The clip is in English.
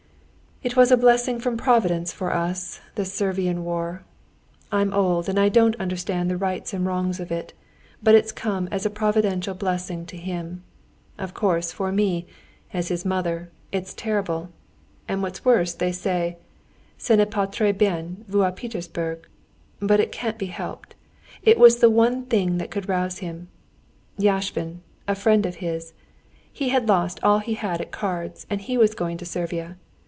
"It was a blessing from Providence for us—this Servian war. I'm old, and I don't understand the rights and wrongs of it, but it's come as a providential blessing to him. Of course for me, as his mother, it's terrible; and what's worse, they say, ce n'est pas très bien vu à Pétersbourg. But it can't be helped! It was the one thing that could rouse him. Yashvin—a friend of his—he had lost all he had at cards and he was going to Servia.